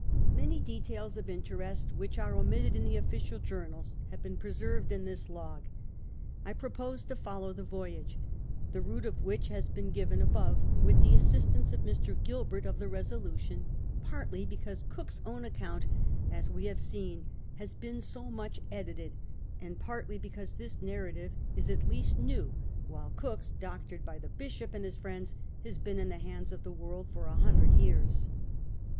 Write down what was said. Many details of interest which are omitted in the official journals have been pre served in this log. I propose to follow the voyage, the route of which has been given above, with the assistance of Mr. Gilbert of the Resolution^ partly because Cook's own account, as wo have seen, has been so much edited, and partly because this iiaiTative is at least CAPTAm COOK OllAP. new, while Cook's, doctored by the bishop and his friends, has been in the hands of the world for a hundred years.